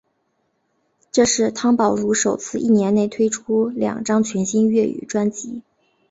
这是汤宝如首次一年内推出两张全新粤语专辑。